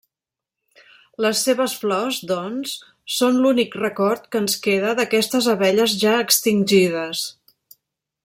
Les seves flors, doncs, són l'únic record que ens queda d'aquestes abelles ja extingides.